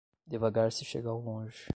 Devagar se chega ao longe.